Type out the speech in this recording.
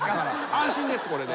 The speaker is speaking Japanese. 安心ですこれで。